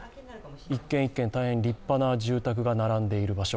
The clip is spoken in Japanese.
１軒１軒、大変立派な住宅が並んでいる場所。